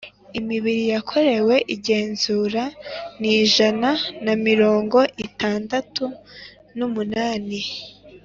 Imibiri yakorewe igenzura ni ijana na mirongo itandatu n umunani